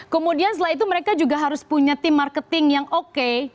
kemudian setelah itu mereka juga harus punya tim marketing yang oke